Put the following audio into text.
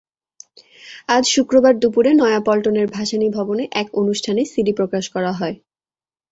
আজ শুক্রবার দুপুরে নয়াপল্টনের ভাসানী ভবনে এক অনুষ্ঠানে সিডি প্রকাশ করা হয়।